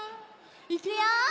いくよ！